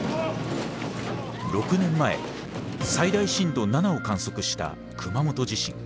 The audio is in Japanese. ６年前最大震度７を観測した熊本地震。